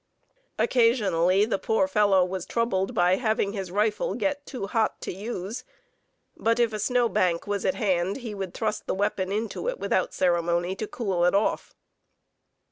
Occasionally the poor fellow was troubled by having his rifle get too hot to use, but if a snow bank was at hand he would thrust the weapon into it without ceremony to cool it off.